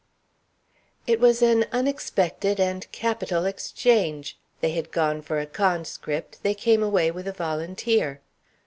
It was an unexpected and capital exchange. They had gone for a conscript; they came away with a volunteer.